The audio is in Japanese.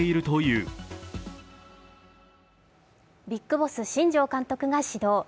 ビッグボス・新庄監督が始動。